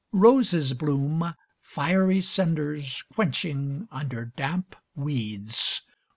Roses bloom, fiery cinders quenching under damp weeds.